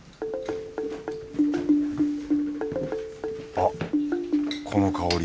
あこの香り